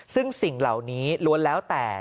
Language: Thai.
ซึ่งสิ่งเหล่านี้ล้วนแล้วแต่